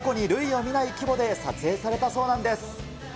過去に類を見ない規模で撮影されたそうなんです。